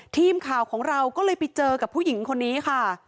ทีมข่าวของเราก็เลยไปเจอกับผู้หญิงคนนี้ค่ะ